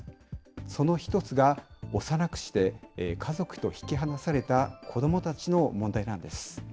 その１つが幼くして家族と引き離された子どもたちの問題なんです。